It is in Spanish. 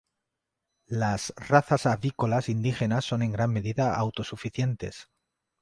Las razas avícolas indígenas son en gran medida autosuficientes.